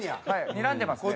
「にらんでますね」